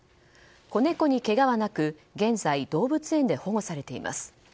子猫にけがはなく現在、動物園で保護されています。